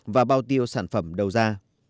và bao tiêu sản phẩm đầu ra